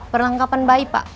perlengkapan bayi pak